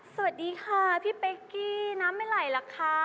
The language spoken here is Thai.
สวัสดีค่ะพี่เป๊กกี้น้ำไม่ไหลหรอกค่ะ